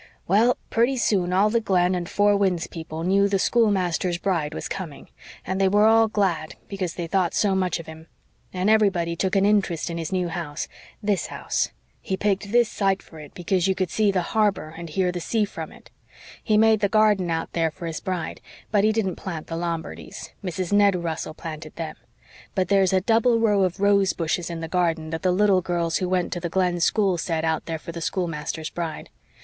"Well, purty soon all the Glen and Four Winds people knew the schoolmaster's bride was coming, and they were all glad because they thought so much of him. And everybody took an interest in his new house THIS house. He picked this site for it, because you could see the harbor and hear the sea from it. He made the garden out there for his bride, but he didn't plant the Lombardies. Mrs. Ned Russell planted THEM. But there's a double row of rose bushes in the garden that the little girls who went to the Glen school set out there for the schoolmaster's bride.